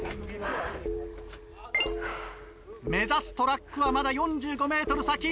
目指すトラックはまだ４５ｍ先。